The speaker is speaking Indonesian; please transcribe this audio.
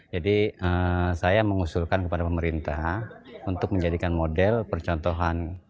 jadi saya mengusulkan kepada pemerintah untuk menjadikan model percontohan